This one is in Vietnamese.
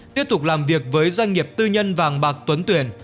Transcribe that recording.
tiếp tục làm việc với doanh nghiệp tư nhân vàng bạc tuấn tuyền